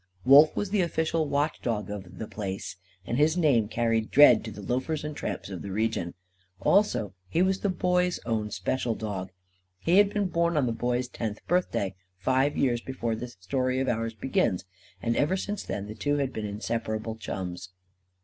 Wolf was the official watch dog of The Place; and his name carried dread to the loafers and tramps of the region. Also, he was the Boy's own special dog. He had been born on the Boy's tenth birthday, five years before this story of ours begins; and ever since then the two had been inseparable chums.